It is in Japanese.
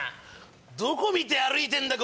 どこ見て歩いてんだ？